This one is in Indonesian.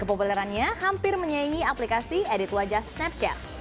kepopulerannya hampir menyaingi aplikasi edit wajah snapchat